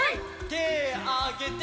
てあげて！